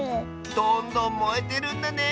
どんどんもえてるんだね。